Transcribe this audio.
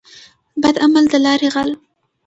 بد عمل دلاري غل.